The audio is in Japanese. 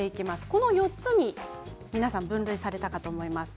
この４つに皆さん分類されたかと思います。